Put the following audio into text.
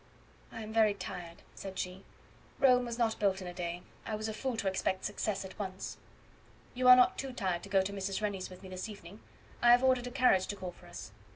"I am very tired," said she; "Rome was not built in a day. I was a fool to expect success at once." "You are not too tired to go to Mrs. Rennie's with me this evening. I have ordered a carriage to call for us."